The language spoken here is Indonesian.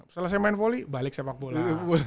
setelah saya main volley balik sepak bola